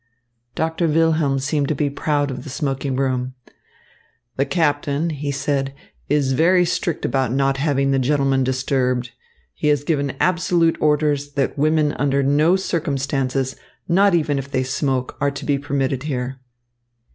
Doctor Wilhelm seemed to be proud of the smoking room. "The captain," he said, "is very strict about not having the gentlemen disturbed. He has given absolute orders that women under no circumstances, not even if they smoke, are to be permitted here."